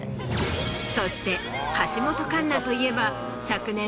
そして橋本環奈といえば。